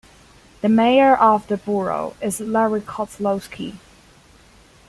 The mayor of the borough is Larry Kozlowski.